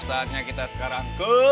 saatnya kita sekarang ke